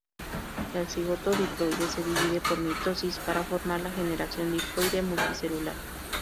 El cigoto diploide se divide por mitosis para formar la generación diploide multicelular.